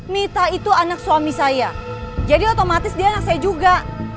mita itu anak suami saya jadi otomatis dia anak saya juga